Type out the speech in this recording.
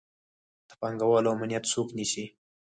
د پانګوالو امنیت څوک نیسي؟